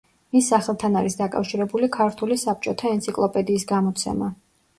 მის სახელთან არის დაკავშირებული ქართული საბჭოთა ენციკლოპედიის გამოცემა.